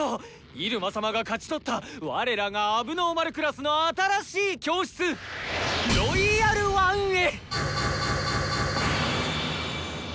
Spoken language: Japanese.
入間様が勝ち取った我らが問題児クラスの新しい教室「ロイヤル・ワン」へ！